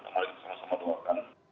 mari kita sama sama doakan